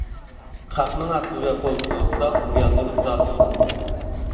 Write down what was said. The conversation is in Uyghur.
خەقنىڭ ھەققىگە قول سوزساق زىياننى بىز تارتىمىز.